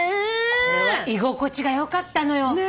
居心地が良かったのよ。